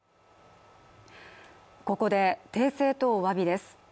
ここで訂正とおわびです。